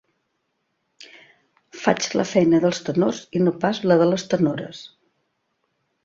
Faig la feina dels tenors i no pas la de les tenores.